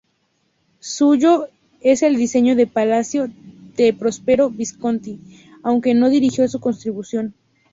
Suyo es el diseño del Palacio de Prospero Visconti, aunque no dirigió su construcción.